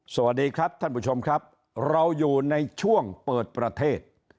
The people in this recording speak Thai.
สวัสดีครับท่านผู้ชมครับเราอยู่ในช่วงเปิดประเทศ